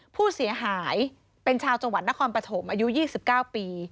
ผู้เสียหายเป็นชาวจังหวัดนครปฐมอายุ๒๙ปี